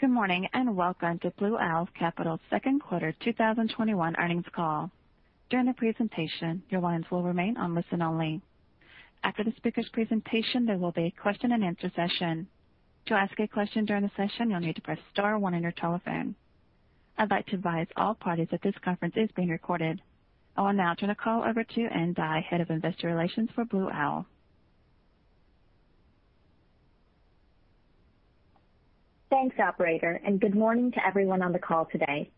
Good morning, and welcome to Blue Owl Capital's second quarter 2021 earnings call. During the presentation, your lines will remain on listen only. After the speaker's presentation, there will be a question and answer session. To ask a question during the session, you'll need to press star one on your telephone. I'd like to advise all parties that this conference is being recorded. I will now turn the call over to Ann Dai, Head of Investor Relations for Blue Owl. Thanks, operator. Good morning to everyone on the call today.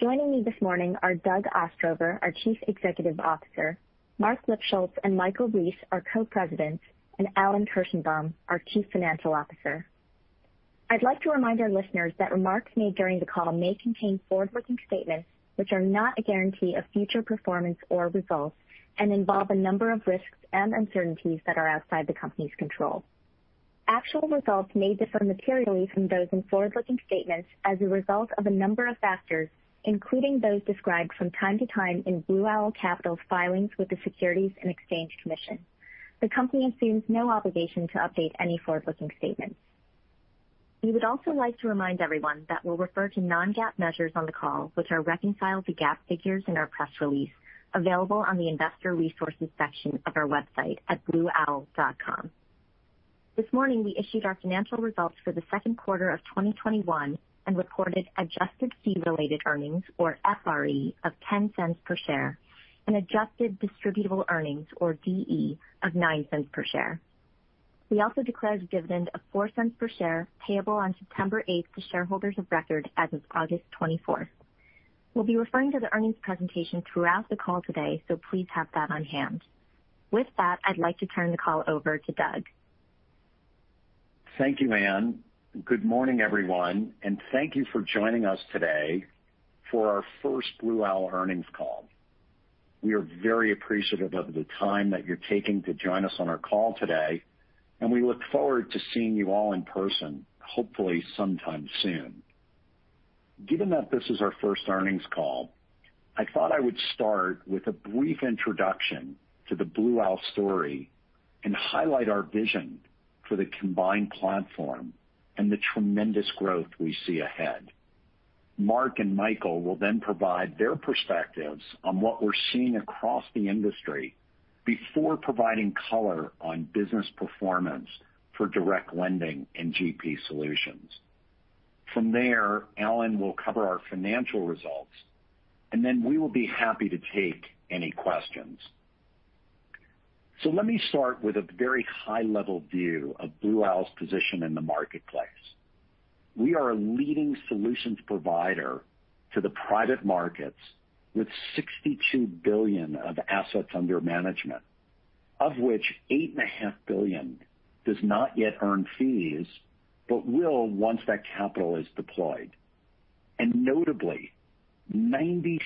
Joining me this morning are Doug Ostrover, our Chief Executive Officer, Marc Lipschultz and Michael Rees, our Co-Presidents, and Alan Kirshenbaum, our Chief Financial Officer. I'd like to remind our listeners that remarks made during the call may contain forward-looking statements which are not a guarantee of future performance or results and involve a number of risks and uncertainties that are outside the company's control. Actual results may differ materially from those in forward-looking statements as a result of a number of factors, including those described from time to time in Blue Owl Capital's filings with the Securities and Exchange Commission. The company assumes no obligation to update any forward-looking statements. We would also like to remind everyone that we'll refer to non-GAAP measures on the call, which are reconciled to GAAP figures in our press release available on the investor resources section of our website at blueowl.com. This morning, we issued our financial results for the second quarter of 2021 and reported adjusted Fee-Related Earnings, or FRE, of $0.10 per share and adjusted Distributable Earnings, or DE, of $0.09 per share. We also declared a dividend of $0.04 per share payable on September 8th to shareholders of record as of August 24th. We'll be referring to the earnings presentation throughout the call today, so please have that on hand. With that, I'd like to turn the call over to Doug Ostrover. Thank you, Ann Dai. Good morning, everyone. Thank you for joining us today for our first Blue Owl earnings call. We are very appreciative of the time that you're taking to join us on our call today. We look forward to seeing you all in person hopefully sometime soon. Given that this is our first earnings call, I thought I would start with a brief introduction to the Blue Owl story and highlight our vision for the combined platform and the tremendous growth we see ahead. Marc Lipschultz and Michael Rees will provide their perspectives on what we're seeing across the industry before providing color on business performance for direct lending and General Partner solutions. From there, Alan Kirshenbaum will cover our financial results. We will be happy to take any questions. Let me start with a very high-level view of Blue Owl's position in the marketplace. We are a leading solutions provider to the private markets with $62 billion of assets under management, of which $8.5 billion does not yet earn fees, but will once that capital is deployed. Notably, 97%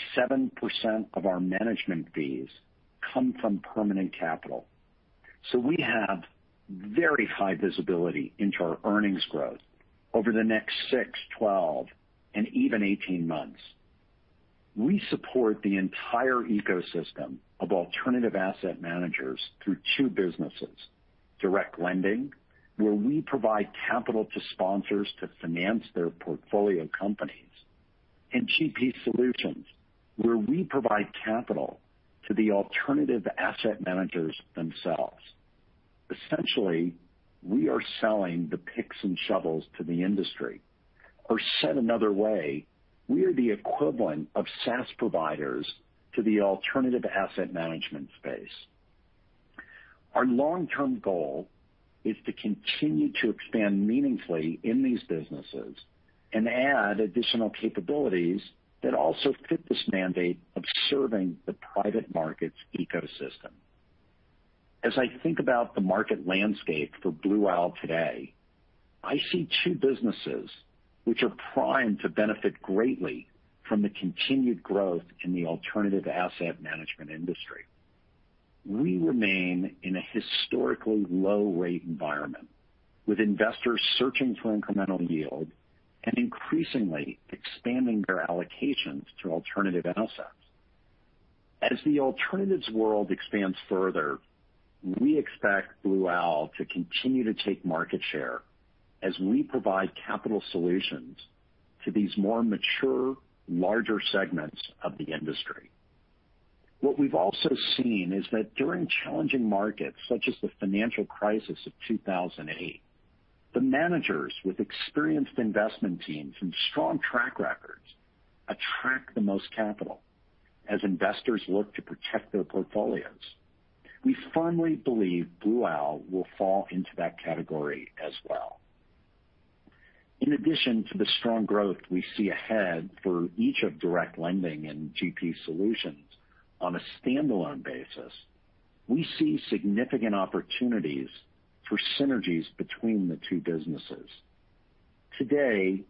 of our management fees come from permanent capital. We have very high visibility into our earnings growth over the next six, 12, and even 18 months. We support the entire ecosystem of alternative asset managers through two businesses, direct lending, where we provide capital to sponsors to finance their portfolio companies, and GP Solutions, where we provide capital to the alternative asset managers themselves. Essentially, we are selling the picks and shovels to the industry. Said another way, we are the equivalent of SaaS providers to the alternative asset management space. Our long-term goal is to continue to expand meaningfully in these businesses and add additional capabilities that also fit this mandate of serving the private markets ecosystem. As I think about the market landscape for Blue Owl today, I see two businesses which are primed to benefit greatly from the continued growth in the alternative asset management industry. We remain in a historically low rate environment, with investors searching for incremental yield and increasingly expanding their allocations to alternative assets. As the alternatives world expands further, we expect Blue Owl to continue to take market share as we provide capital solutions to these more mature, larger segments of the industry. What we've also seen is that during challenging markets such as the financial crisis of 2008, the managers with experienced investment teams and strong track records attract the most capital as investors look to protect their portfolios. We firmly believe Blue Owl will fall into that category as well. In addition to the strong growth we see ahead for each of direct lending and GP Solutions on a standalone basis, we see significant opportunities for synergies between the two businesses. Today,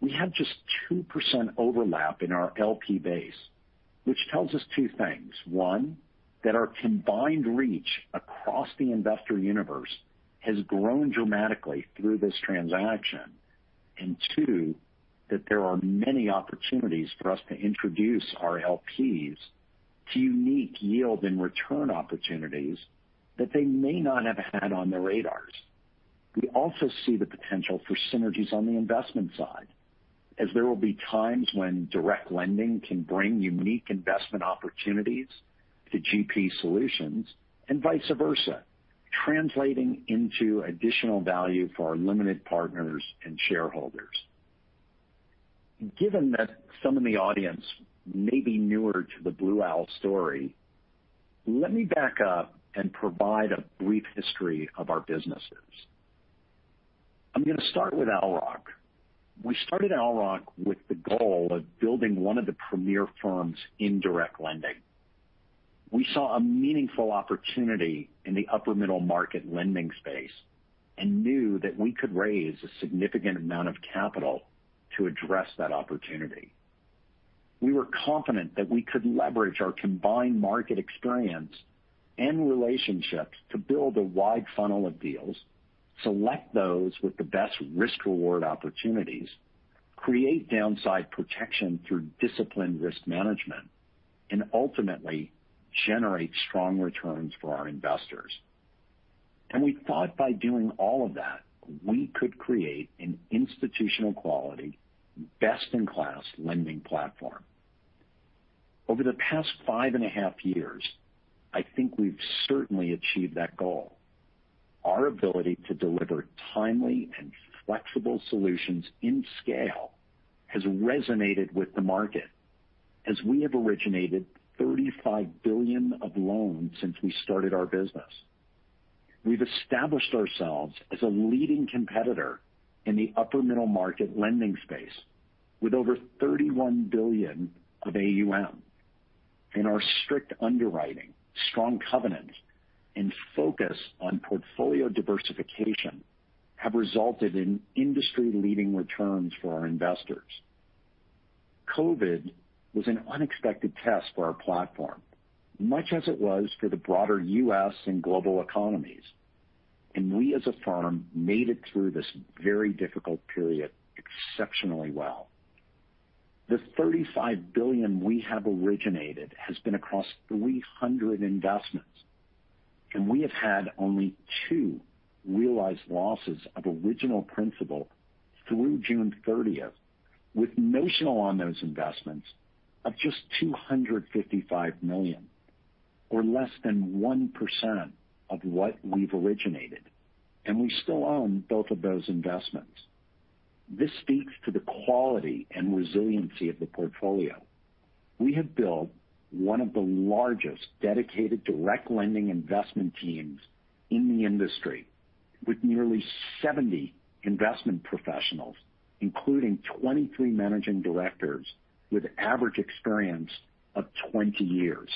we have just 2% overlap in our Limited Partner base, which tells us two things. One, that our combined reach across the investor universe has grown dramatically through this transaction. Two, that there are many opportunities for us to introduce our LPs to unique yield and return opportunities that they may not have had on their radars. We also see the potential for synergies on the investment side, as there will be times when direct lending can bring unique investment opportunities to GP Solutions and vice versa, translating into additional value for our limited partners and shareholders. Given that some in the audience may be newer to the Blue Owl story, let me back up and provide a brief history of our businesses. I'm going to start with Owl Rock. We started Owl Rock with the goal of building one of the premier firms in direct lending. We saw a meaningful opportunity in the upper middle market lending space and knew that we could raise a significant amount of capital to address that opportunity. We were confident that we could leverage our combined market experience and relationships to build a wide funnel of deals, select those with the best risk-reward opportunities, create downside protection through disciplined risk management, and ultimately generate strong returns for our investors. We thought by doing all of that, we could create an institutional quality, best-in-class lending platform. Over the past 5.5 years, I think we've certainly achieved that goal. Our ability to deliver timely and flexible solutions in scale has resonated with the market as we have originated $35 billion of loans since we started our business. We've established ourselves as a leading competitor in the upper middle market lending space with over $31 billion of Assets Under Management. Our strict underwriting, strong covenant, and focus on portfolio diversification have resulted in industry-leading returns for our investors. COVID was an unexpected test for our platform, much as it was for the broader U.S. and global economies, and we as a firm made it through this very difficult period exceptionally well. The $35 billion we have originated has been across 300 investments. We have had only two realized losses of original principal through June 30th, with notional on those investments of just $255 million, or less than 1% of what we've originated. We still own both of those investments. This speaks to the quality and resiliency of the portfolio. We have built 1 of the largest dedicated direct lending investment teams in the industry, with nearly 70 investment professionals, including 23 managing directors with average experience of 20 years.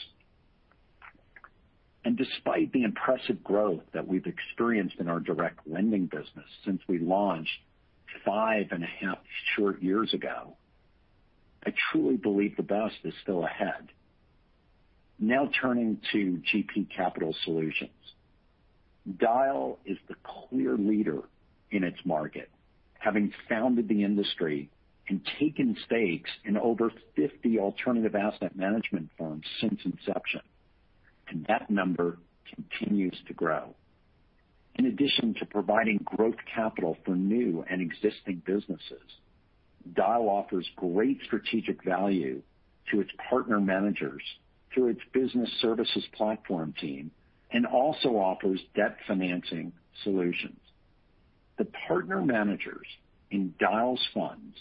Despite the impressive growth that we've experienced in our direct lending business since we launched 5.5 short years ago, I truly believe the best is still ahead. Now turning to GP Capital Solutions. Dyal is the clear leader in its market, having founded the industry and taken stakes in over 50 alternative asset management firms since inception. That number continues to grow. In addition to providing growth capital for new and existing businesses, Dyal offers great strategic value to its partner managers through its business services platform team and also offers debt financing solutions. The partner managers in Dyal's funds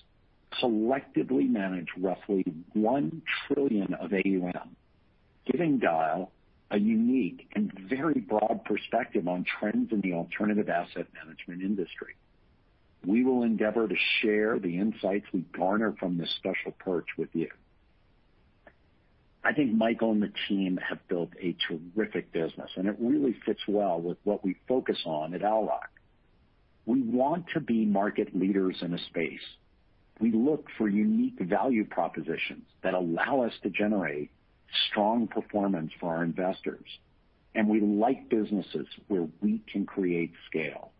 collectively manage roughly $1 trillion of AUM, giving Dyal a unique and very broad perspective on trends in the alternative asset management industry. We will endeavor to share the insights we garner from this special perch with you. I think Michael and the team have built a terrific business. It really fits well with what we focus on at Owl Rock. We want to be market leaders in a space. We look for unique value propositions that allow us to generate strong performance for our investors, we like businesses where we can create scale.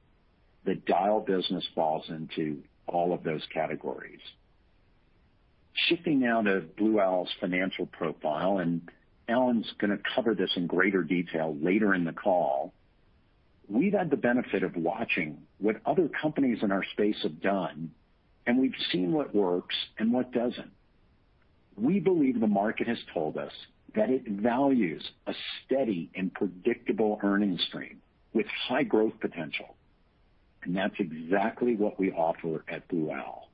The Dyal business falls into all of those categories. Shifting now to Blue Owl's financial profile, Alan's going to cover this in greater detail later in the call. We've had the benefit of watching what other companies in our space have done, we've seen what works and what doesn't. We believe the market has told us that it values a steady and predictable earnings stream with high growth potential, that's exactly what we offer at Blue Owl.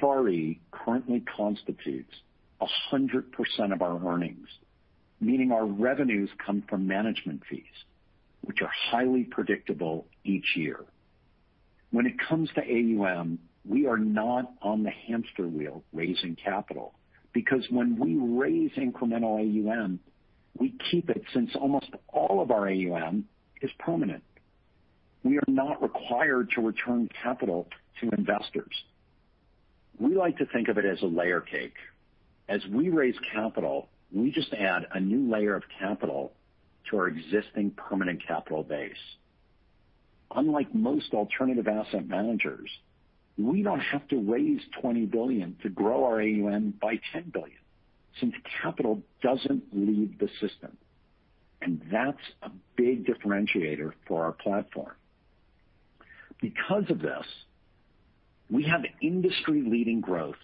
FRE currently constitutes 100% of our earnings, meaning our revenues come from management fees, which are highly predictable each year. When it comes to AUM, we are not on the hamster wheel raising capital because when we raise incremental AUM, we keep it since almost all of our AUM is permanent. We are not required to return capital to investors. We like to think of it as a layer cake. As we raise capital, we just add a new layer of capital to our existing permanent capital base. Unlike most alternative asset managers, we don't have to raise $20 billion to grow our AUM by $10 billion, since capital doesn't leave the system. That's a big differentiator for our platform. Because of this, we have industry-leading growth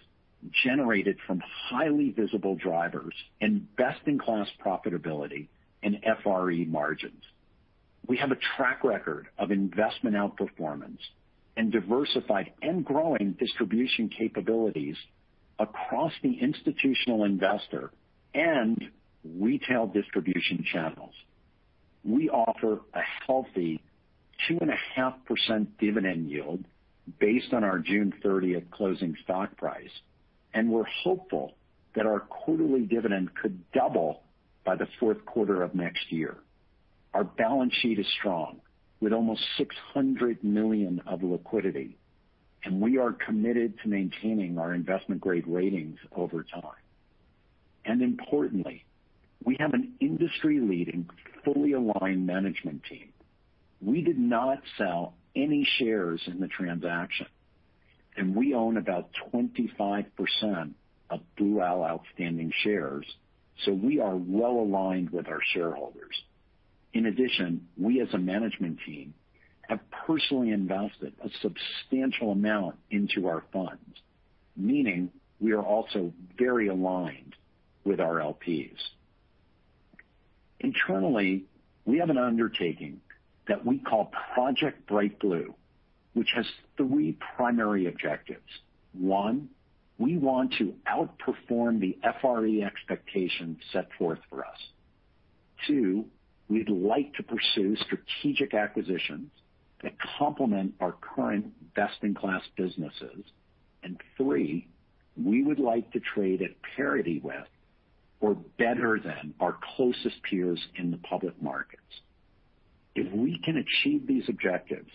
generated from highly visible drivers and best-in-class profitability and FRE margins. We have a track record of investment outperformance and diversified and growing distribution capabilities across the institutional investor and retail distribution channels. We offer a healthy 2.5% dividend yield based on our June 30th closing stock price, and we're hopeful that our quarterly dividend could double by the fourth quarter of next year. Our balance sheet is strong, with almost $600 million of liquidity, and we are committed to maintaining our investment-grade ratings over time. Importantly, we have an industry-leading, fully aligned management team. We did not sell any shares in the transaction, and we own about 25% of Blue Owl outstanding shares, so we are well-aligned with our shareholders. In addition, we as a management team have personally invested a substantial amount into our funds, meaning we are also very aligned with our LPs. Internally, we have an undertaking that we call Project Bright Blue, which has three primary objectives. One, we want to outperform the FRE expectations set forth for us. Two, we'd like to pursue strategic acquisitions that complement our current best-in-class businesses. Three, we would like to trade at parity with or better than our closest peers in the public markets. If we can achieve these objectives,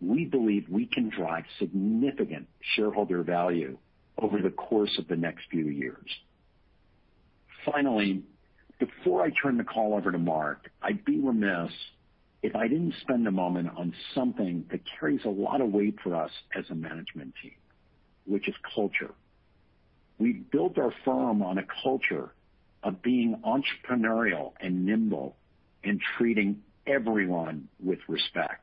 we believe we can drive significant shareholder value over the course of the next few years. Finally, before I turn the call over to Marc, I'd be remiss if I didn't spend a moment on something that carries a lot of weight for us as a management team, which is culture. We built our firm on a culture of being entrepreneurial and nimble and treating everyone with respect.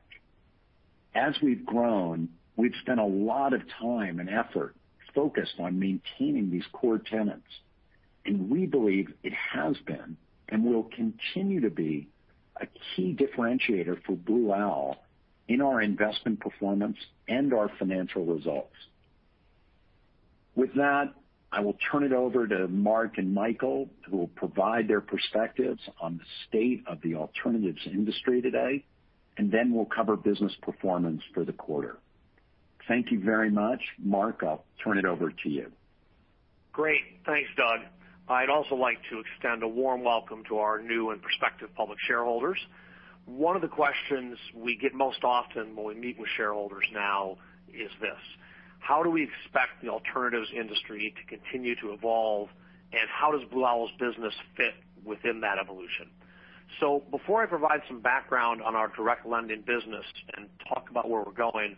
As we've grown, we've spent a lot of time and effort focused on maintaining these core tenets, and we believe it has been and will continue to be a key differentiator for Blue Owl in our investment performance and our financial results. With that, I will turn it over to Marc and Michael, who will provide their perspectives on the state of the alternatives industry today, and then we'll cover business performance for the quarter. Thank you very much. Marc, I'll turn it over to you. Great. Thanks, Doug. I'd also like to extend a warm welcome to our new and prospective public shareholders. One of the questions we get most often when we meet with shareholders now is this: How do we expect the alternatives industry to continue to evolve, and how does Blue Owl's business fit within that evolution? Before I provide some background on our direct lending business and talk about where we're going,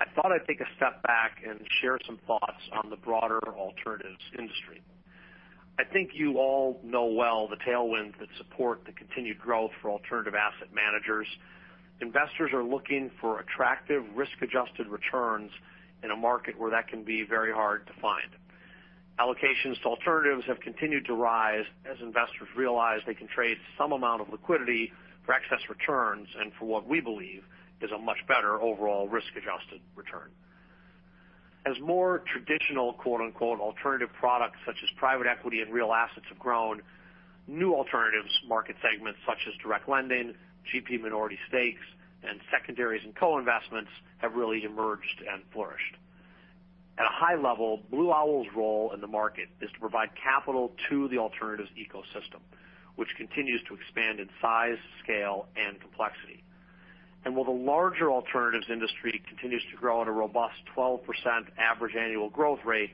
I thought I'd take a step back and share some thoughts on the broader alternatives industry. I think you all know well the tailwinds that support the continued growth for alternative asset managers. Investors are looking for attractive risk-adjusted returns in a market where that can be very hard to find. Allocations to alternatives have continued to rise as investors realize they can trade some amount of liquidity for excess returns and for what we believe is a much better overall risk-adjusted return. As more traditional, quote-unquote, alternative products such as private equity and real assets have grown, new alternatives market segments such as direct lending, GP minority stakes, and secondaries and co-investments have really emerged and flourished. At a high level, Blue Owl's role in the market is to provide capital to the alternatives ecosystem, which continues to expand in size, scale, and complexity. While the larger alternatives industry continues to grow at a robust 12% average annual growth rate,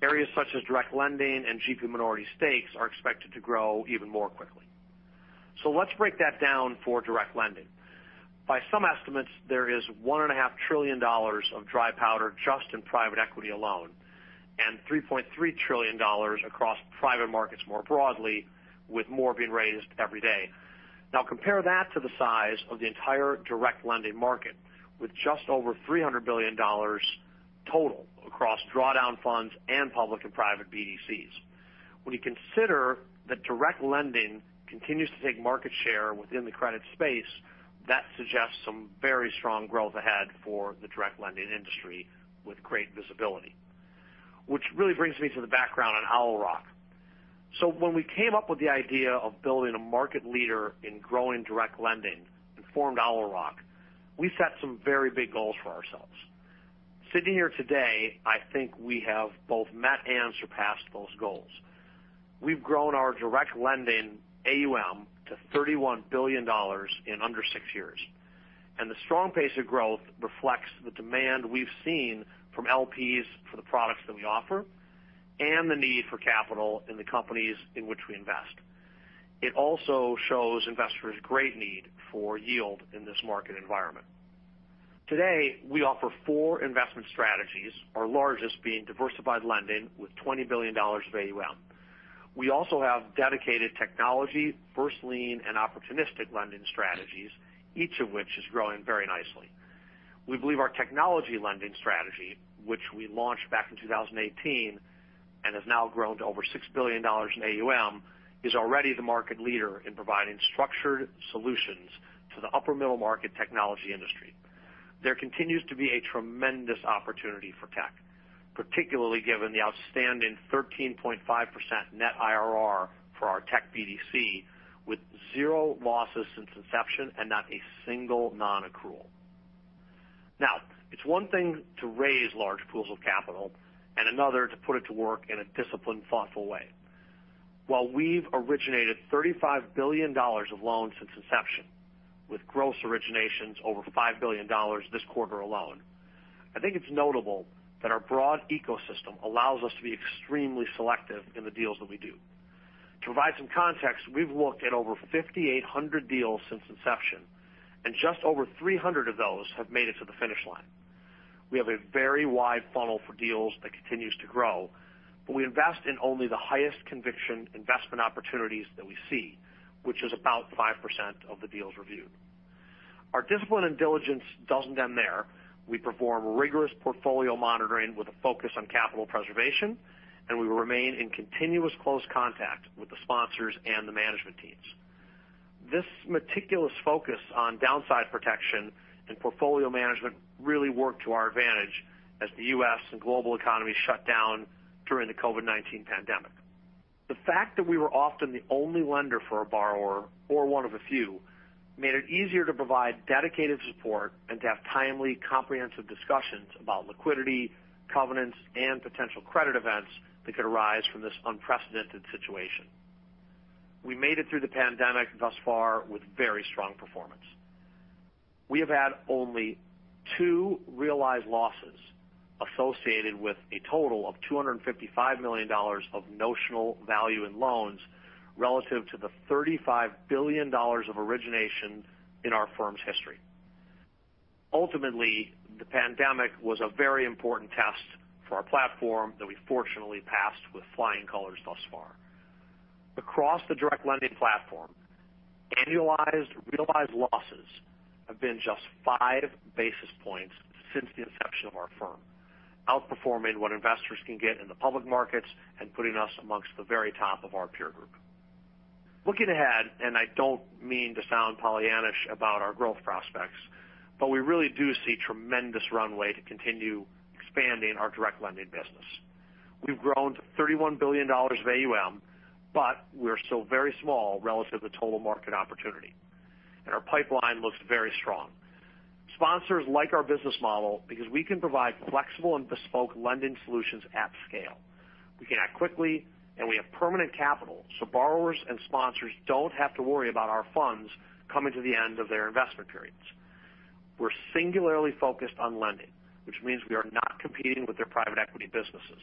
areas such as direct lending and GP minority stakes are expected to grow even more quickly. Let's break that down for direct lending. By some estimates, there is $1.5 trillion of dry powder just in private equity alone, and $3.3 trillion across private markets more broadly, with more being raised every day. Compare that to the size of the entire direct lending market, with just over $300 billion total across drawdown funds and public and private Business Development Companies. When you consider that direct lending continues to take market share within the credit space, that suggests some very strong growth ahead for the direct lending industry with great visibility. Really brings me to the background on Owl Rock. When we came up with the idea of building a market leader in growing direct lending and formed Owl Rock, we set some very big goals for ourselves. Sitting here today, I think we have both met and surpassed those goals. We've grown our direct lending AUM to $31 billion in under six years. The strong pace of growth reflects the demand we've seen from LPs for the products that we offer and the need for capital in the companies in which we invest. It also shows investors' great need for yield in this market environment. Today, we offer four investment strategies, our largest being diversified lending with $20 billion of AUM. We also have dedicated technology, first lien, and opportunistic lending strategies, each of which is growing very nicely. We believe our technology lending strategy, which we launched back in 2018 and has now grown to over $6 billion in AUM, is already the market leader in providing structured solutions to the upper middle market technology industry. There continues to be a tremendous opportunity for technology, particularly given the outstanding 13.5% net Internal Rate of Return for our technology BDC, with zero losses since inception and not a single non-accrual. Now, it's one thing to raise large pools of capital and another to put it to work in a disciplined, thoughtful way. While we've originated $35 billion of loans since inception, with gross originations over $5 billion this quarter alone, I think it's notable that our broad ecosystem allows us to be extremely selective in the deals that we do. To provide some context, we've looked at over 5,800 deals since inception, and just over 300 of those have made it to the finish line. We have a very wide funnel for deals that continues to grow, but we invest in only the highest conviction investment opportunities that we see, which is about 5% of the deals reviewed. Our discipline and diligence doesn't end there. We perform rigorous portfolio monitoring with a focus on capital preservation, and we remain in continuous close contact with the sponsors and the management teams. This meticulous focus on downside protection and portfolio management really worked to our advantage as the U.S. and global economy shut down during the COVID-19 pandemic. The fact that we were often the only lender for a borrower or one of a few made it easier to provide dedicated support and to have timely, comprehensive discussions about liquidity, covenants, and potential credit events that could arise from this unprecedented situation. We made it through the pandemic thus far with very strong performance. We have had only two realized losses associated with a total of $255 million of notional value in loans relative to the $35 billion of origination in our firm's history. Ultimately, the pandemic was a very important test for our platform that we fortunately passed with flying colors thus far. Across the direct lending platform, annualized realized losses have been just five basis points since the inception of our firm, outperforming what investors can get in the public markets and putting us amongst the very top of our peer group. Looking ahead, I don't mean to sound Pollyannish about our growth prospects, but we really do see tremendous runway to continue expanding our direct lending business. We've grown to $31 billion of AUM, but we are still very small relative to total market opportunity, and our pipeline looks very strong. Sponsors like our business model because we can provide flexible and bespoke lending solutions at scale. We can act quickly, and we have permanent capital, so borrowers and sponsors don't have to worry about our funds coming to the end of their investment periods. We're singularly focused on lending, which means we are not competing with their private equity businesses.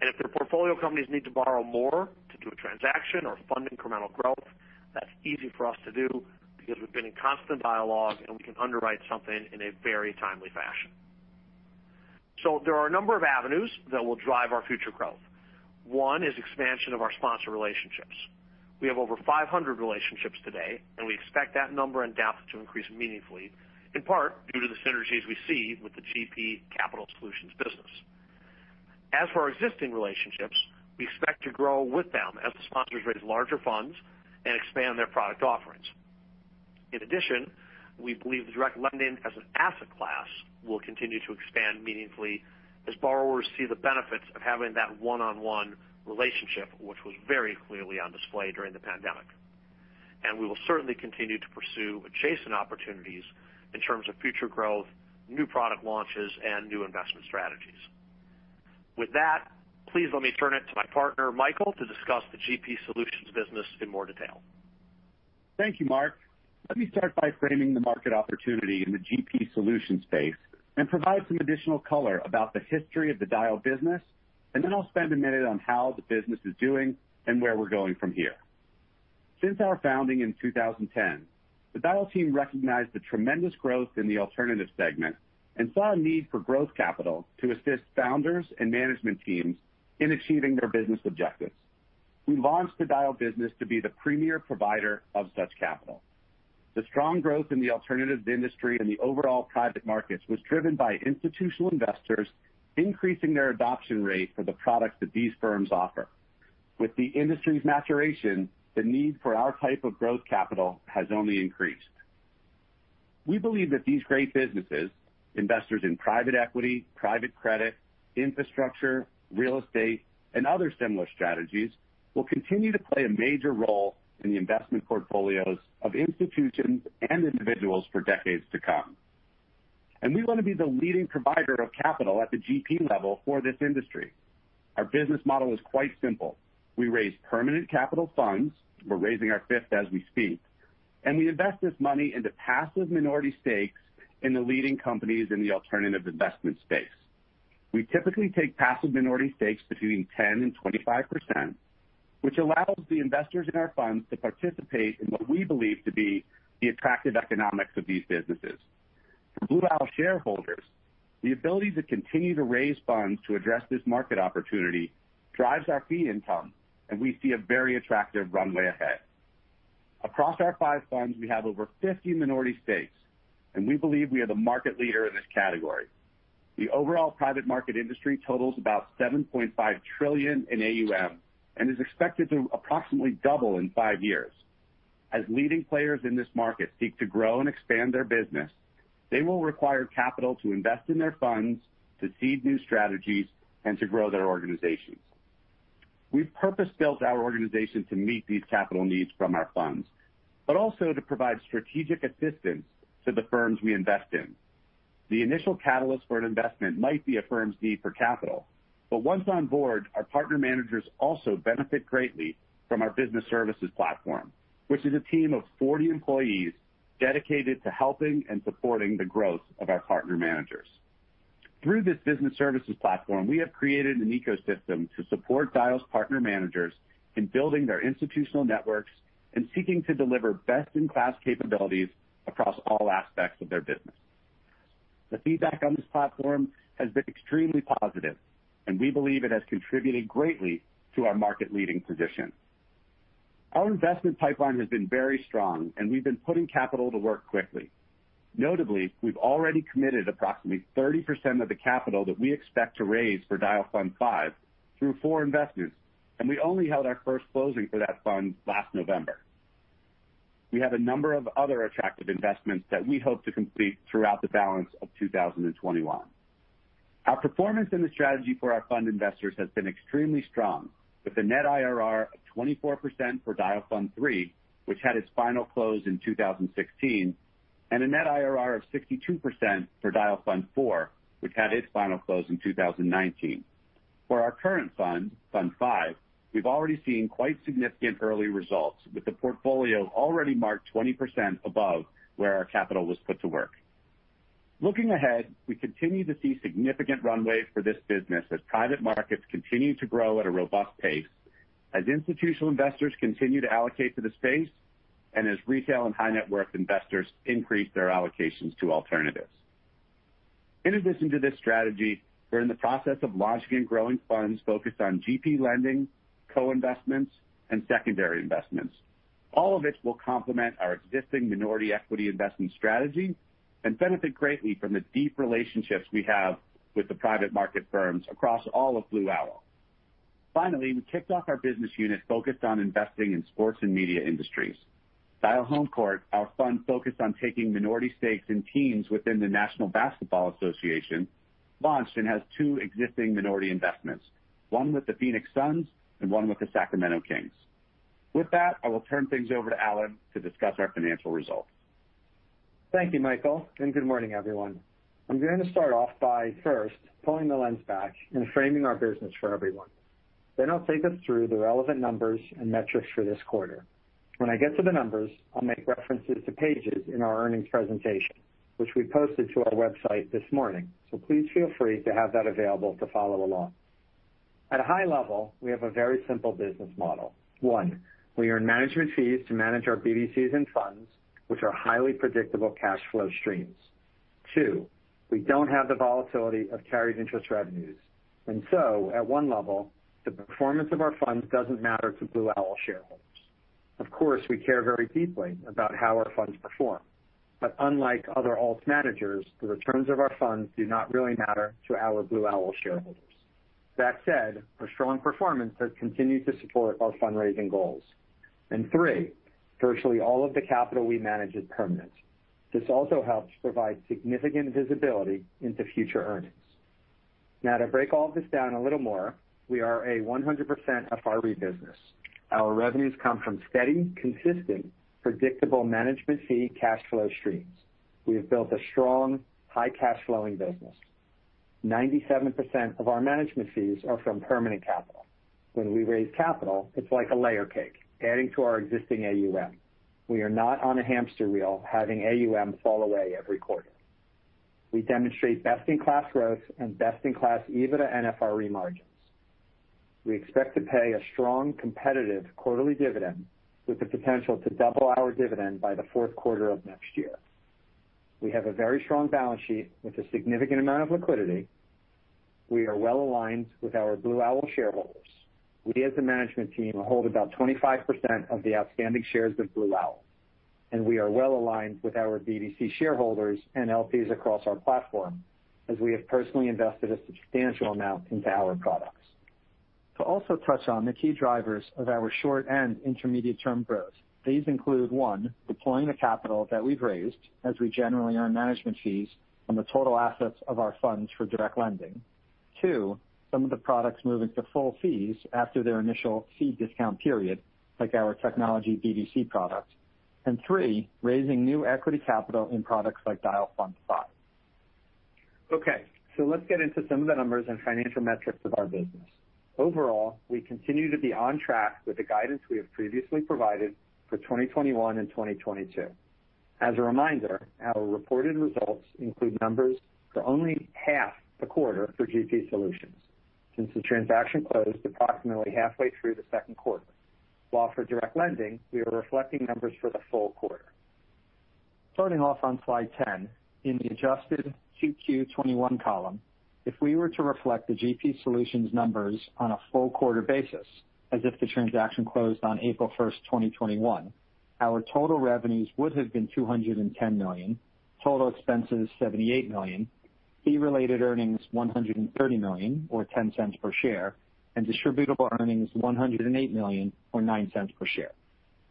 If their portfolio companies need to borrow more to do a transaction or fund incremental growth, that's easy for us to do because we've been in constant dialogue, and we can underwrite something in a very timely fashion. There are a number of avenues that will drive our future growth. One is expansion of our sponsor relationships. We have over 500 relationships today, and we expect that number and depth to increase meaningfully, in part due to the synergies we see with the GP Capital Solutions business. As for our existing relationships, we expect to grow with them as the sponsors raise larger funds and expand their product offerings. In addition, we believe the direct lending as an asset class will continue to expand meaningfully as borrowers see the benefits of having that one-on-one relationship, which was very clearly on display during the pandemic. We will certainly continue to pursue adjacent opportunities in terms of future growth, new product launches, and new investment strategies. With that, please let me turn it to my partner, Michael Rees, to discuss the GP Solutions business in more detail. Thank you, Marc. Let me start by framing the market opportunity in the GP Solutions space and provide some additional color about the history of the Dyal business, and then I'll spend a minute on how the business is doing and where we're going from here. Since our founding in 2010, the Dyal team recognized the tremendous growth in the alternative segment and saw a need for growth capital to assist founders and management teams in achieving their business objectives. We launched the Dyal business to be the premier provider of such capital. The strong growth in the alternatives industry and the overall private markets was driven by institutional investors increasing their adoption rate for the products that these firms offer. With the industry's maturation, the need for our type of growth capital has only increased. We believe that these great businesses, investors in private equity, private credit, infrastructure, real estate, and other similar strategies, will continue to play a major role in the investment portfolios of institutions and individuals for decades to come. We want to be the leading provider of capital at the GP level for this industry. Our business model is quite simple. We raise permanent capital funds, we're raising our fifth as we speak, and we invest this money into passive minority stakes in the leading companies in the alternative investment space. We typically take passive minority stakes between 10% and 25%, which allows the investors in our funds to participate in what we believe to be the attractive economics of these businesses. For Blue Owl shareholders, the ability to continue to raise funds to address this market opportunity drives our fee income, and we see a very attractive runway ahead. Across our five funds, we have over 50 minority stakes, and we believe we are the market leader in this category. The overall private market industry totals about $7.5 trillion in AUM and is expected to approximately double in five years. As leading players in this market seek to grow and expand their business, they will require capital to invest in their funds, to seed new strategies, and to grow their organizations. We've purpose-built our organization to meet these capital needs from our funds, but also to provide strategic assistance to the firms we invest in. The initial catalyst for an investment might be a firm's need for capital, but once on board, our partner managers also benefit greatly from our business services platform, which is a team of 40 employees dedicated to helping and supporting the growth of our partner managers. Through this business services platform, we have created an ecosystem to support Dyal's partner managers in building their institutional networks and seeking to deliver best-in-class capabilities across all aspects of their business. The feedback on this platform has been extremely positive, and we believe it has contributed greatly to our market-leading position. Our investment pipeline has been very strong, and we've been putting capital to work quickly. Notably, we've already committed approximately 30% of the capital that we expect to raise for Dyal Fund V through four investors, and we only held our first closing for that fund last November. We have a number of other attractive investments that we hope to complete throughout the balance of 2021. Our performance and the strategy for our fund investors has been extremely strong, with a net IRR of 24% for Dyal Fund III, which had its final close in 2016, and a net IRR of 62% for Dyal Fund IV, which had its final close in 2019. For our current fund, Fund V, we've already seen quite significant early results, with the portfolio already marked 20% above where our capital was put to work. Looking ahead, we continue to see significant runway for this business as private markets continue to grow at a robust pace, as institutional investors continue to allocate to the space, and as retail and high-net-worth investors increase their allocations to alternatives. In addition to this strategy, we're in the process of launching and growing funds focused on GP lending, co-investments, and secondary investments. All of it will complement our existing minority equity investment strategy and benefit greatly from the deep relationships we have with the private market firms across all of Blue Owl. Finally, we kicked off our business unit focused on investing in sports and media industries. Dyal HomeCourt Partners, our fund focused on taking minority stakes in teams within the National Basketball Association, launched and has two existing minority investments, one with the Phoenix Suns and one with the Sacramento Kings. With that, I will turn things over to Alan Kirshenbaum to discuss our financial results. Thank you, Michael. Good morning, everyone. I'm going to start off by first pulling the lens back and framing our business for everyone. I'll take us through the relevant numbers and metrics for this quarter. When I get to the numbers, I'll make references to pages in our earnings presentation, which we posted to our website this morning. Please feel free to have that available to follow along. At a high level, we have a very simple business model. One, we earn management fees to manage our Business Development Companies and funds, which are highly predictable cash flow streams. Two, we don't have the volatility of carried interest revenues, and so at one level, the performance of our funds doesn't matter to Blue Owl shareholders. Of course, we care very deeply about how our funds perform. Unlike other alt managers, the returns of our funds do not really matter to our Blue Owl shareholders. That said, our strong performance has continued to support our fundraising goals. Three, virtually all of the capital we manage is permanent. This also helps provide significant visibility into future earnings. Now to break all of this down a little more, we are a 100% AFRE business. Our revenues come from steady, consistent, predictable management fee cash flow streams. We have built a strong, high cash flowing business. 97% of our management fees are from permanent capital. When we raise capital, it's like a layer cake adding to our existing AUM. We are not on a hamster wheel having AUM fall away every quarter. We demonstrate best-in-class growth and best-in-class EBITDA and AFRE margins. We expect to pay a strong, competitive quarterly dividend with the potential to double our dividend by the fourth quarter of next year. We have a very strong balance sheet with a significant amount of liquidity. We are well-aligned with our Blue Owl shareholders. We as a management team hold about 25% of the outstanding shares of Blue Owl. We are well-aligned with our BDC shareholders and LPs across our platform, as we have personally invested a substantial amount into our products. To also touch on the key drivers of our short and intermediate term growth, these include, one, deploying the capital that we've raised as we generally earn management fees on the total assets of our funds for direct lending. Two, some of the products move into full fees after their initial fee discount period, like our technology BDC product. Three, raising new equity capital in products like Dyal Fund V. Let's get into some of the numbers and financial metrics of our business. Overall, we continue to be on track with the guidance we have previously provided for 2021 and 2022. As a reminder, our reported results include numbers for only half the quarter for GP Solutions, since the transaction closed approximately halfway through the second quarter. While for direct lending, we are reflecting numbers for the full quarter. Starting off on slide 10, in the Adjusted 2Q 2021 column, if we were to reflect the GP Solutions numbers on a full quarter basis, as if the transaction closed on April 1st, 2021, our total revenues would have been $210 million, total expenses $78 million, Fee-Related Earnings $130 million, or $0.10 per share, and distributable earnings $108 million, or $0.09 per share.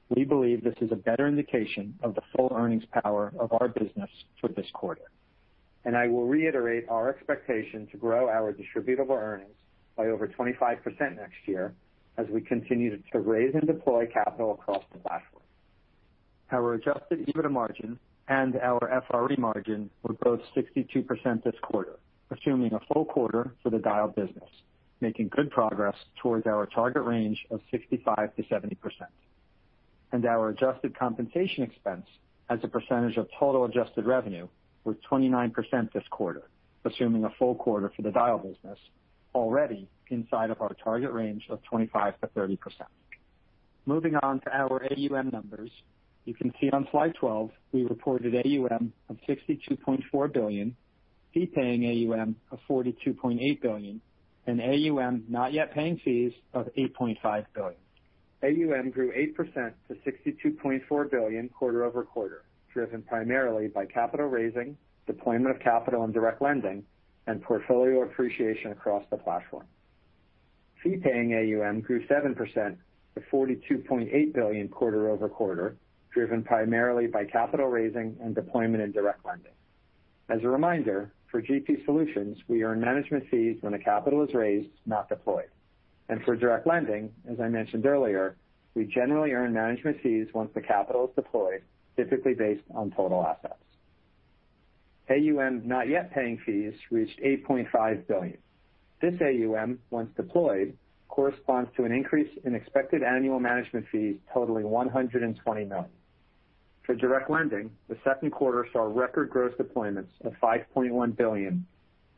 We believe this is a better indication of the full earnings power of our business for this quarter. I will reiterate our expectation to grow our distributable earnings by over 25% next year as we continue to raise and deploy capital across the platform. Our Adjusted EBITDA margin and our FRE margin were both 62% this quarter, assuming a full quarter for the Dyal business, making good progress towards our target range of 65%-70%. Our adjusted compensation expense as a percentage of total adjusted revenue was 29% this quarter, assuming a full quarter for the Dyal business, already inside of our target range of 25%-30%. Moving on to our AUM numbers. You can see on slide 12, we reported AUM of $62.4 billion, fee-paying AUM of $42.8 billion, and AUM not yet paying fees of $8.5 billion. AUM grew 8% to $62.4 billion quarter-over-quarter, driven primarily by capital raising, deployment of capital and direct lending, and portfolio appreciation across the platform. Fee-paying AUM grew 7% to $42.8 billion quarter-over-quarter, driven primarily by capital raising and deployment in direct lending. As a reminder, for GP Solutions, we earn management fees when the capital is raised, not deployed. For direct lending, as I mentioned earlier, we generally earn management fees once the capital is deployed, typically based on total assets. AUM not yet paying fees reached $8.5 billion. This AUM, once deployed, corresponds to an increase in expected annual management fees totaling $120 million. For direct lending, the second quarter saw record gross deployments of $5.1 billion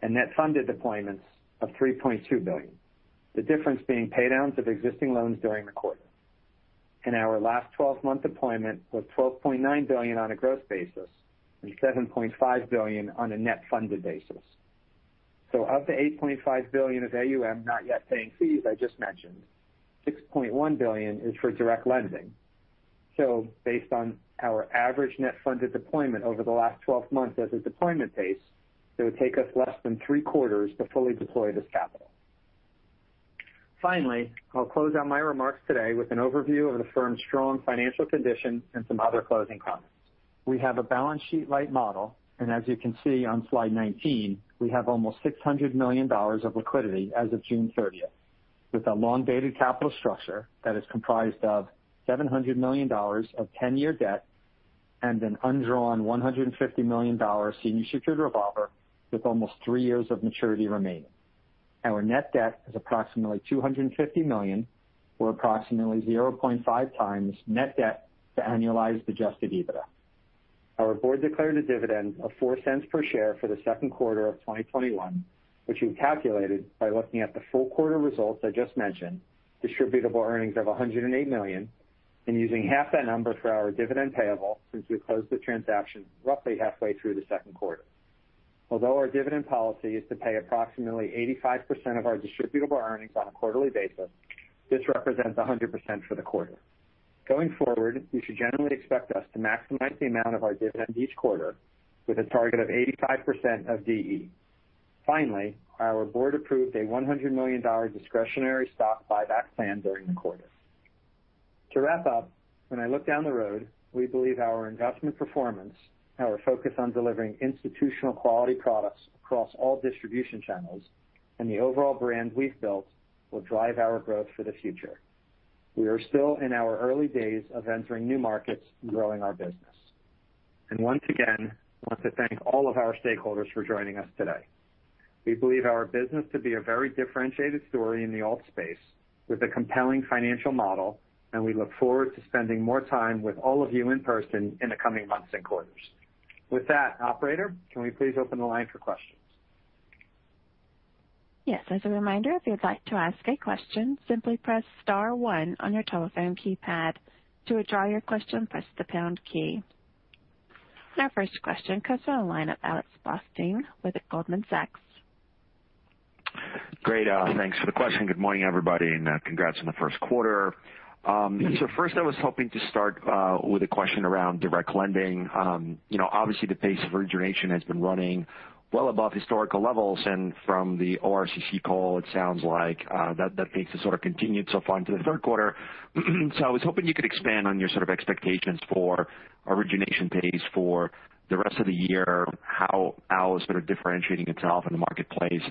and net funded deployments of $3.2 billion, the difference being paydowns of existing loans during the quarter. Our last 12-month deployment was $12.9 billion on a gross basis and $7.5 billion on a net funded basis. Of the $8.5 billion of AUM not yet paying fees I just mentioned, $6.1 billion is for direct lending. Based on our average net funded deployment over the last 12 months as a deployment base, it would take us less than three quarters to fully deploy this capital. Finally, I'll close out my remarks today with an overview of the firm's strong financial condition and some other closing comments. We have a balance sheet light model, and as you can see on slide 19, we have almost $600 million of liquidity as of June 30th, with a long-dated capital structure that is comprised of $700 million of 10-year debt and an undrawn $150 million senior secured revolver with almost three years of maturity remaining. Our net debt is approximately $250 million or approximately 0.5x Net Debt to annualized Adjusted EBITDA. Our board declared a dividend of $0.04 per share for the second quarter of 2021 which we've calculated by looking at the full quarter results I just mentioned, distributable earnings of $108 million, and using half that number for our dividend payable since we closed the transaction roughly halfway through the second quarter. Although our dividend policy is to pay approximately 85% of our distributable earnings on a quarterly basis, this represents 100% for the quarter. Going forward, you should generally expect us to maximize the amount of our dividend each quarter with a target of 85% of DE. Finally, our board approved a $100 million discretionary stock buyback plan during the quarter. To wrap up, when I look down the road, we believe our investment performance, our focus on delivering institutional quality products across all distribution channels, and the overall brand we've built will drive our growth for the future. We are still in our early days of entering new markets and growing our business. Once again, I want to thank all of our stakeholders for joining us today. We believe our business to be a very differentiated story in the alt space with a compelling financial model, and we look forward to spending more time with all of you in person in the coming months and quarters. With that, operator, can we please open the line for questions? Yes. As a reminder, if you'd like to ask a question please press star on on your telephone keypad. To withdraw your question, press the pound key. Our first question comes from the line of Alexander Blostein with Goldman Sachs. Great. Thanks for the question. Good morning, everybody. Congrats on the 1st quarter. First, I was hoping to start with a question around direct lending. Obviously the pace of origination has been running well above historical levels. From the Owl Rock Capital Corporation call, it sounds like that pace has sort of continued so far into the 3rd quarter. I was hoping you could expand on your sort of expectations for origination pace for the rest of the year. How Owl is sort of differentiating itself in the marketplace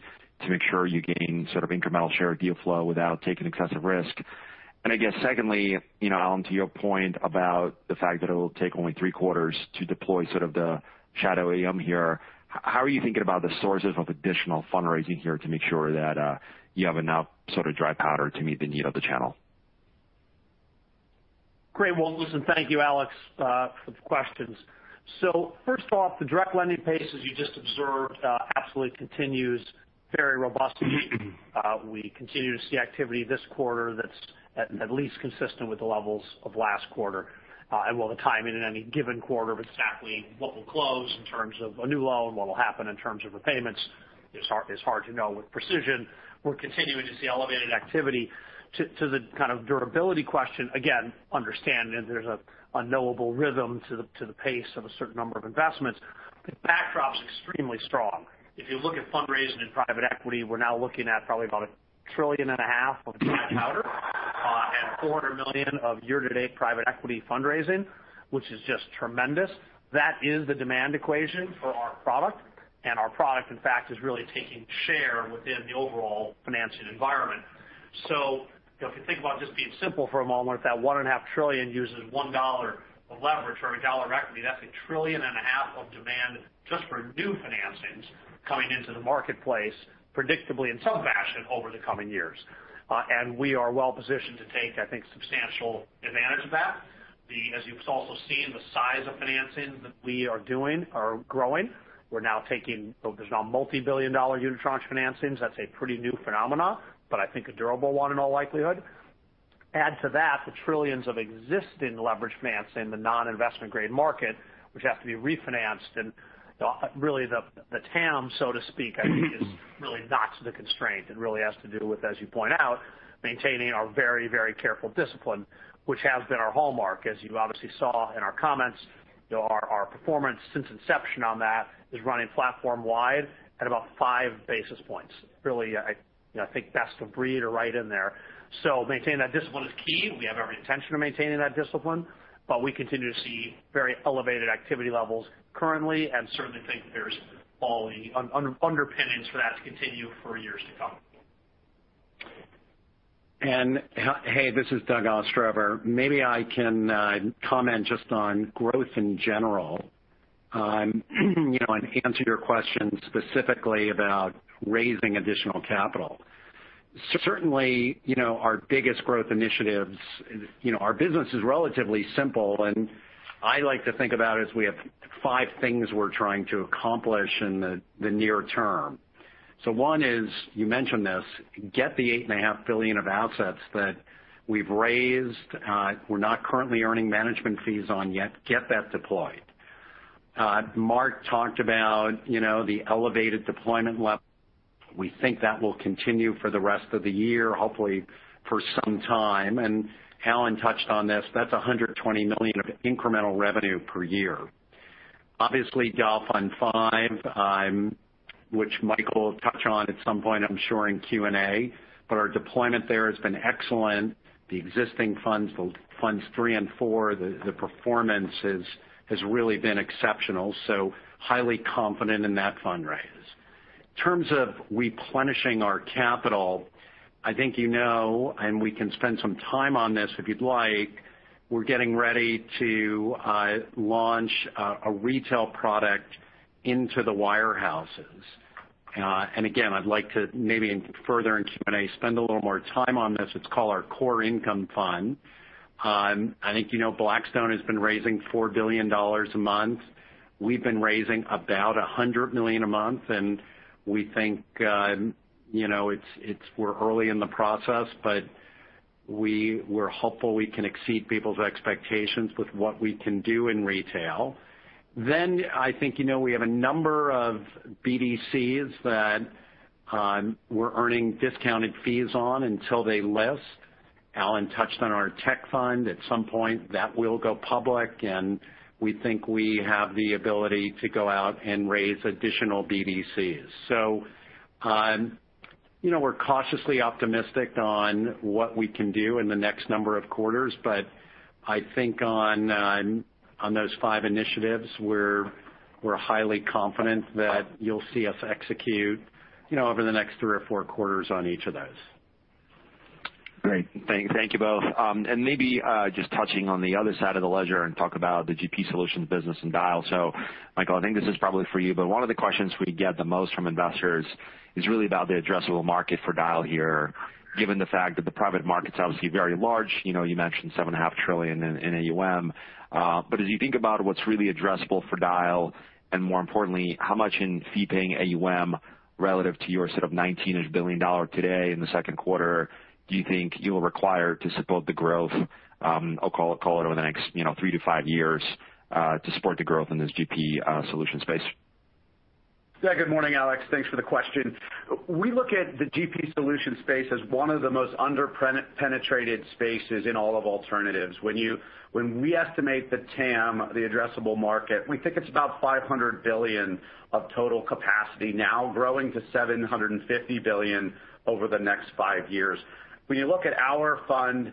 to make sure you gain sort of incremental share of deal flow without taking excessive risk? I guess secondly, Alan, to your point about the fact that it will take only three quarters to deploy sort of the shadow AUM here, how are you thinking about the sources of additional fundraising here to make sure that you have enough sort of dry powder to meet the need of the channel? Great. Well, listen, thank you, Alex, for the questions. First off, the direct lending pace, as you just observed, absolutely continues very robustly. We continue to see activity this quarter that's at least consistent with the levels of last quarter. While the timing in any given quarter of exactly what will close in terms of a new loan, what will happen in terms of repayments is hard to know with precision. We're continuing to see elevated activity. To the kind of durability question, again, understand that there's a knowable rhythm to the pace of a certain number of investments. The backdrop's extremely strong. If you look at fundraising in private equity, we're now looking at probably about $1.5 trillion of cash powder, $400 million of year-to-date private equity fundraising, which is just tremendous. That is the demand equation for our product. Our product, in fact, is really taking share within the overall financing environment. If you think about just being simple for a moment, if that $1.5 trillion uses $1 of leverage or $1 of equity, that's a $1.5 trillion of demand just for new financings coming into the marketplace, predictably in some fashion over the coming years. We are well positioned to take, I think, substantial advantage of that. As you've also seen, the size of financings that we are doing are growing. There's now multi-billion dollar unitranche financings. That's a pretty new phenomena, but I think a durable one in all likelihood. Add to that the trillions of existing leverage finance in the non-investment grade market, which have to be refinanced. Really the Total Addressable Market, so to speak, I think is really not the constraint. It really has to do with, as you point out, maintaining our very careful discipline, which has been our hallmark. As you obviously saw in our comments, our performance since inception on that is running platform wide at about 5 basis points. Really, I think best of breed or right in there. Maintaining that discipline is key. We have every intention of maintaining that discipline, but we continue to see very elevated activity levels currently and certainly think there's all the underpinnings for that to continue for years to come. Hey, this is Doug Ostrover. Maybe I can comment just on growth in general, and answer your question specifically about raising additional capital. Certainly, our biggest growth initiatives, our business is relatively simple, and I like to think about it as we have five things we're trying to accomplish in the near term. One is, you mentioned this, get the $8.5 billion of assets that we've raised. We're not currently earning management fees on yet. Get that deployed. Marc talked about the elevated deployment level. We think that will continue for the rest of the year, hopefully for some time. Alan touched on this. That's $120 million of incremental revenue per year. Obviously, Dyal Fund V, which Michael will touch on at some point, I'm sure in Q&A, but our deployment there has been excellent. The existing funds, Funds III and Funds IV, the performance has really been exceptional. Highly confident in that fundraise. In terms of replenishing our capital, I think you know, and we can spend some time on this if you'd like. We're getting ready to launch a retail product into the wirehouses. Again, I'd like to maybe further in Q&A spend a little more time on this. It's called our Core Income Fund. I think you know Blackstone has been raising $4 billion a month. We've been raising about $100 million a month, and we think we're early in the process, but we're hopeful we can exceed people's expectations with what we can do in retail. I think we have a number of BDCs that we're earning discounted fees on until they list. Alan touched on our tech fund. At some point, that will go public, and we think we have the ability to go out and raise additional BDCs. We're cautiously optimistic on what we can do in the next number of quarters, but I think on those five initiatives, we're highly confident that you'll see us execute over the next three or four quarters on each of those. Great. Thank you both. Maybe just touching on the other side of the ledger and talk about the GP Solutions business and Dyal. Michael, I think this is probably for you, but one of the questions we get the most from investors is really about the addressable market for Dyal here, given the fact that the private market's obviously very large. You mentioned $7.5 trillion in AUM. As you think about what's really addressable for Dyal, and more importantly, how much in fee-paying AUM relative to your sort of $19-ish billion today in the second quarter do you think you'll require to support the growth, I'll call it over the next three to five years to support the growth in this GP Solutions space? Good morning, Alex. Thanks for the question. We look at the GP Solutions space as one of the most under-penetrated spaces in all of alternatives. When we estimate the TAM, the addressable market, we think it's about $500 billion of total capacity now growing to $750 billion over the next five years. When you look at our fund,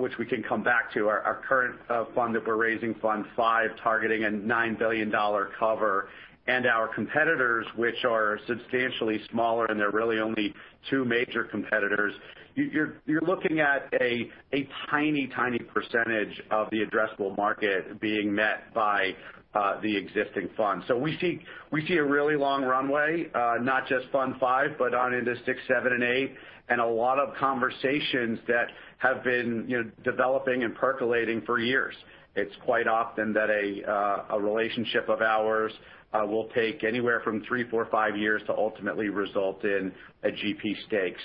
which we can come back to, our current fund that we're raising, Fund V, targeting a $9 billion cover, and our competitors, which are substantially smaller, and they're really only two major competitors. You're looking at a tiny percentage of the addressable market being met by the existing funds. We see a really long runway, not just Fund V, but on into Fund VI, Fund VII, and Fund VIII, and a lot of conversations that have been developing and percolating for years. It's quite often that a relationship of ours will take anywhere from three, four, five years to ultimately result in a GP stake.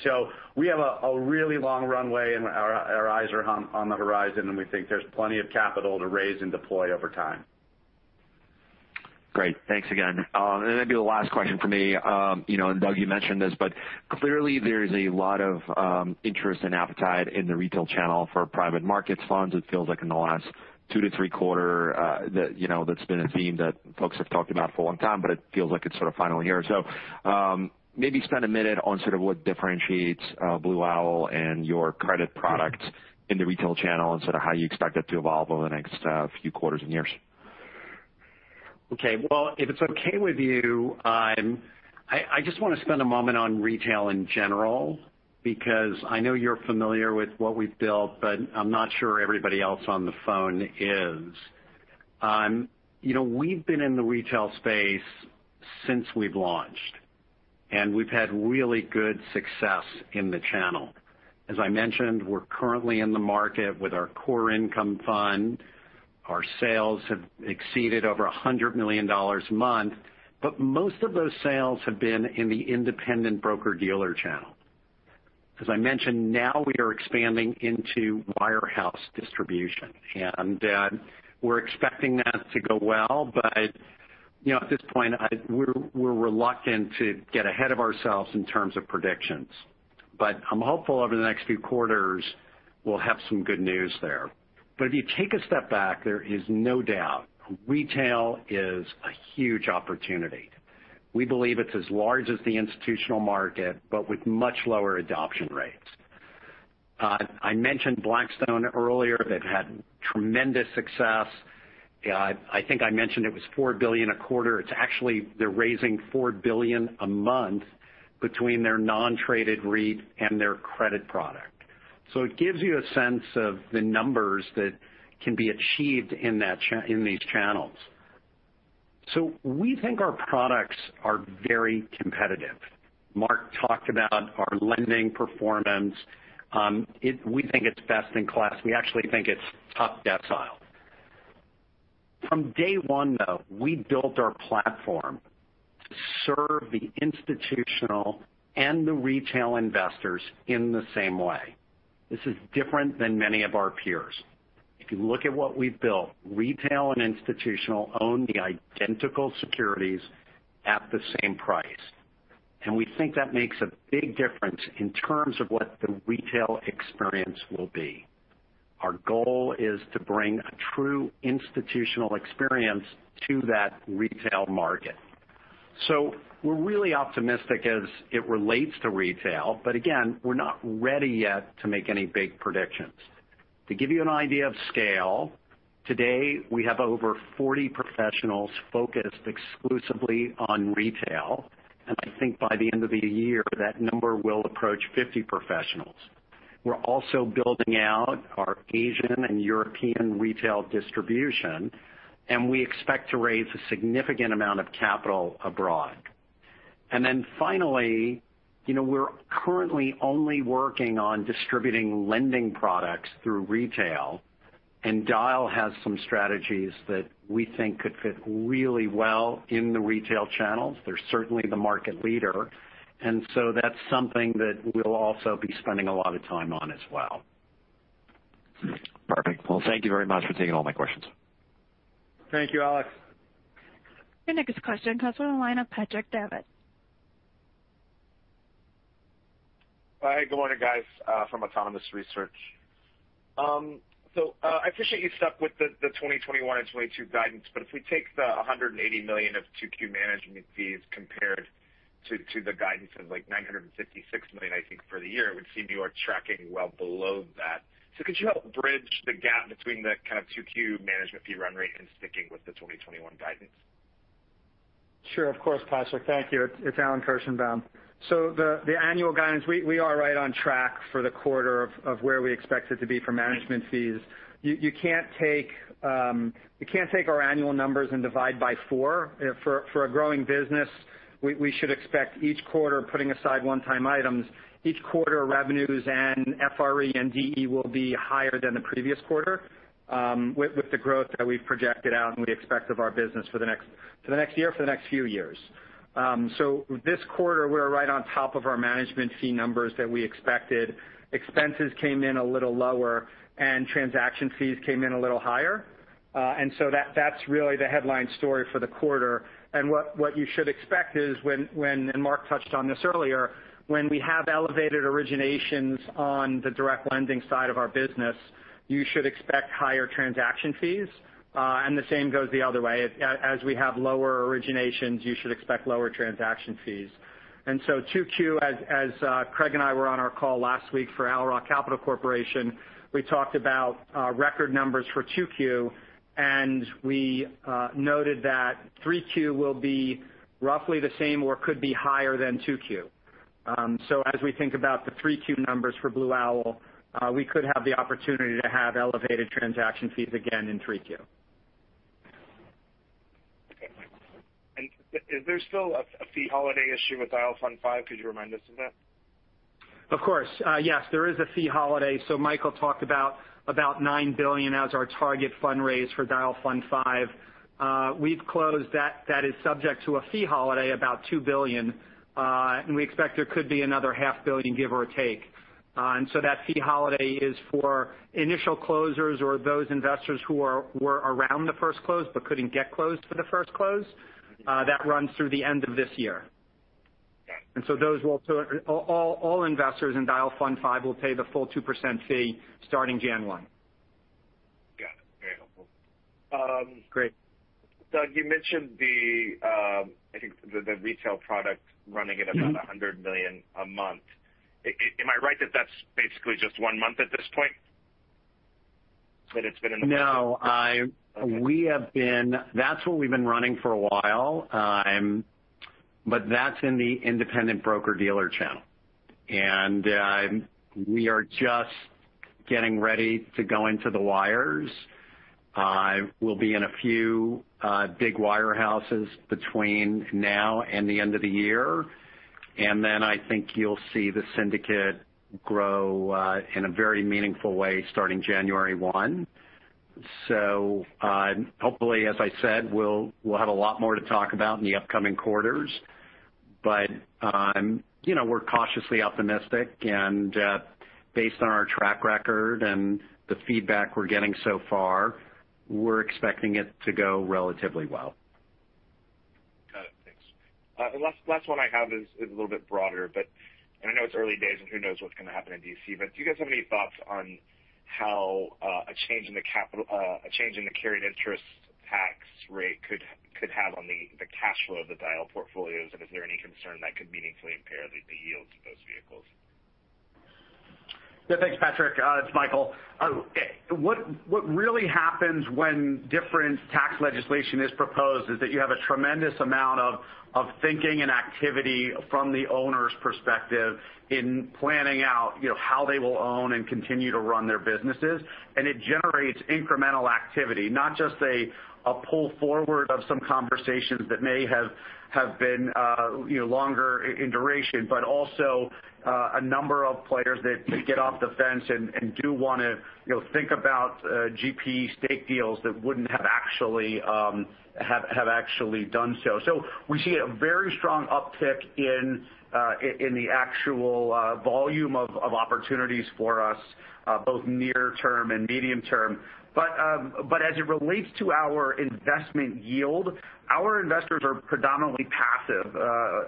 We have a really long runway, and our eyes are on the horizon, and we think there's plenty of capital to raise and deploy over time. Great. Thanks again. Maybe the last question for me. Doug, you mentioned this, clearly there is a lot of interest and appetite in the retail channel for private markets funds. It feels like in the last two to three quarter, that's been a theme that folks have talked about for a long time, it feels like it's sort of finally here. Maybe spend a minute on what differentiates Blue Owl and your credit product in the retail channel and how you expect it to evolve over the next few quarters and years. Well, if it's okay with you, I just want to spend a moment on retail in general, because I know you're familiar with what we've built, but I'm not sure everybody else on the phone is. We've been in the retail space since we've launched, we've had really good success in the channel. As I mentioned, we're currently in the market with our Core Income Fund. Our sales have exceeded over $100 million a month. Most of those sales have been in the independent broker-dealer channel. As I mentioned, now we are expanding into wirehouse distribution. We're expecting that to go well, but at this point, we're reluctant to get ahead of ourselves in terms of predictions. I'm hopeful over the next few quarters, we'll have some good news there. If you take a step back, there is no doubt retail is a huge opportunity. We believe it's as large as the institutional market, but with much lower adoption rates. I mentioned Blackstone earlier. They've had tremendous success. I think I mentioned it was $4 billion a quarter. It's actually they're raising $4 billion a month between their non-traded REIT and their credit product. It gives you a sense of the numbers that can be achieved in these channels. We think our products are very competitive. Marc talked about our lending performance. We think it's best in class. We actually think it's top decile. From day one, though, we built our platform to serve the institutional and the retail investors in the same way. This is different than many of our peers. If you look at what we've built, retail and institutional own the identical securities at the same price. We think that makes a big difference in terms of what the retail experience will be. Our goal is to bring a true institutional experience to that retail market. We're really optimistic as it relates to retail. Again, we're not ready yet to make any big predictions. To give you an idea of scale, today we have over 40 professionals focused exclusively on retail, and I think by the end of the year, that number will approach 50 professionals. We're also building out our Asian and European retail distribution, and we expect to raise a significant amount of capital abroad. Finally, we're currently only working on distributing lending products through retail, and Dyal has some strategies that we think could fit really well in the retail channels. They're certainly the market leader, and so that's something that we'll also be spending a lot of time on as well. Perfect. Well, thank you very much for taking all my questions. Thank you, Alex. Your next question comes on the line of Patrick Davitt. Hi, good morning, guys, from Autonomous Research. I appreciate you stuck with the 2021 and 2022 guidance, if we take the $180 million of 2Q management fees compared to the guidance of $956 million, I think, for the year, it would seem you are tracking well below that. Could you help bridge the gap between the kind of 2Q management fee run rate and sticking with the 2021 guidance? Sure. Of course, Patrick. Thank you. It's Alan Kirshenbaum. The annual guidance, we are right on track for the quarter of where we expect it to be for management fees. You can't take our annual numbers and divide by four. For a growing business, we should expect each quarter, putting aside one-time items, each quarter revenues and FRE and DE will be higher than the previous quarter, with the growth that we've projected out and we expect of our business for the next year, for the next few years. This quarter we're right on top of our management fee numbers that we expected. Expenses came in a little lower and transaction fees came in a little higher. That's really the headline story for the quarter. What you should expect is when, Marc touched on this earlier, when we have elevated originations on the direct lending side of our business, you should expect higher transaction fees. The same goes the other way. As we have lower originations, you should expect lower transaction fees. 2Q, as Craig and I were on our call last week for Owl Rock Capital Corporation, we talked about record numbers for 2Q, and we noted that 3Q will be roughly the same or could be higher than 2Q. As we think about the 3Q numbers for Blue Owl, we could have the opportunity to have elevated transaction fees again in 3Q. Okay. Is there still a fee holiday issue with Dyal Fund V? Could you remind us of that? Of course. Yes, there is a fee holiday. Michael talked about $9 billion as our target fund raise for Dyal Fund V. We've closed that. That is subject to a fee holiday about $2 billion. We expect there could be another half billion, give or take. That fee holiday is for initial closers or those investors who were around the first close but couldn't get closed for the first close. That runs through the end of this year. All investors in Dyal Fund V will pay the full 2% fee starting January 1. Got it. Very helpful. Great. Doug, you mentioned the retail product running at about $100 million a month. Am I right that that's basically just one month at this point? No. Okay. That's what we've been running for a while. That's in the independent broker-dealer channel. We are just getting ready to go into the wires. We'll be in a few big wirehouses between now and the end of the year. I think you'll see the syndicate grow in a very meaningful way starting January 1. Hopefully, as I said, we'll have a lot more to talk about in the upcoming quarters. We're cautiously optimistic, and based on our track record and the feedback we're getting so far, we're expecting it to go relatively well. Got it. Thanks. Last one I have is a little bit broader. I know it's early days, and who knows what's going to happen in D.C., but do you guys have any thoughts on how a change in the carried interest tax rate could have on the cash flow of the Dyal portfolios? Is there any concern that could meaningfully impair the yields of those vehicles? Thanks, Patrick. It's Michael. What really happens when different tax legislation is proposed is that you have a tremendous amount of thinking and activity from the owner's perspective in planning out how they will own and continue to run their businesses. It generates incremental activity, not just a pull forward of some conversations that may have been longer in duration, but also a number of players that get off the fence and do want to think about GP stake deals that wouldn't have actually done so. We see a very strong uptick in the actual volume of opportunities for us, both near term and medium term. As it relates to our investment yield, our investors are predominantly passive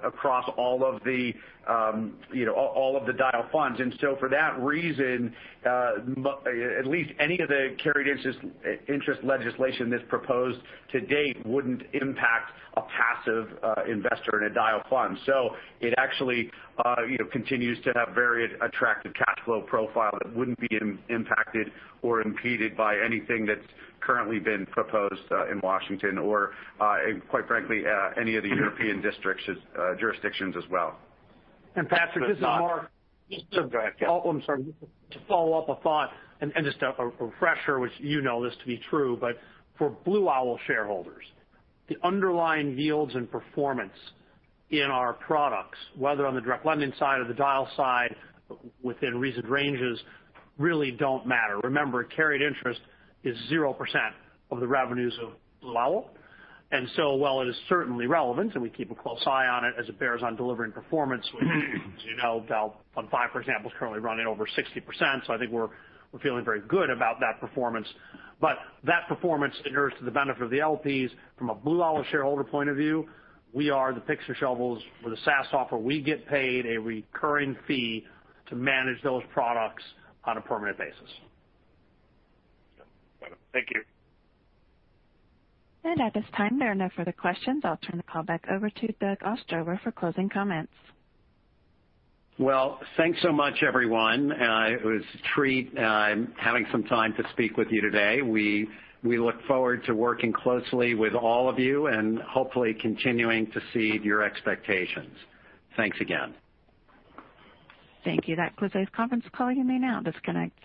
across all of the Dyal funds. For that reason, at least any of the carried interest legislation that's proposed to date wouldn't impact a passive investor in a Dyal fund. It actually continues to have very attractive cash flow profile that wouldn't be impacted or impeded by anything that's currently been proposed in Washington or, quite frankly, any of the European jurisdictions as well. Patrick, this is Marc. Go ahead. I'm sorry. To follow up a thought and just a refresher, which you know this to be true, for Blue Owl shareholders, the underlying yields and performance in our products, whether on the direct lending side or the Dyal side, within reasoned ranges, really don't matter. Remember, carried interest is 0% of the revenues of Blue Owl. While it is certainly relevant, and we keep a close eye on it as it bears on delivering performance, which as you know, Dyal Fund V, for example, is currently running over 60%, I think we're feeling very good about that performance. That performance inures to the benefit of the LPs. From a Blue Owl shareholder point of view, we are the picks and shovels for the SaaS offer. We get paid a recurring fee to manage those products on a permanent basis. Got it. Thank you. At this time, there are no further questions. I'll turn the call back over to Doug Ostrover for closing comments. Well, thanks so much, everyone. It was a treat having some time to speak with you today. We look forward to working closely with all of you and hopefully continuing to seed your expectations. Thanks again. Thank you. That concludes this conference call. You may now disconnect.